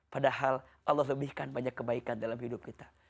padahal allah lebihkan banyak kebaikan dalam hidup kita